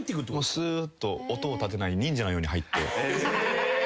すーっと音を立てない忍者のように入って。